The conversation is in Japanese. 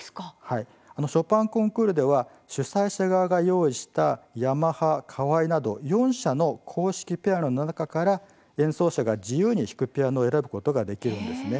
ショパンコンクールでは主催者側が用意したヤマハカワイなど４社の公式ピアノの中から演奏者が自由に弾くピアノを選ぶことができるんです。